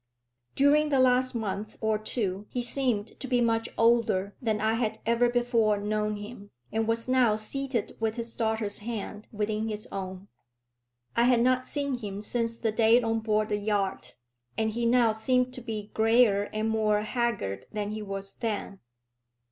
During the last month or two he seemed to be much older than I had ever before known him, and was now seated with his daughter's hand within his own. I had not seen him since the day on board the yacht, and he now seemed to be greyer and more haggard than he was then.